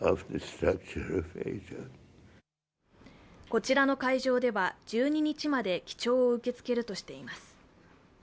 こちらの会場では１２日まで記帳を受け付けるとしています。